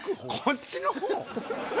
こっちの方？